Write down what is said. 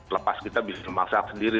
lepas kita bisa memasak sendiri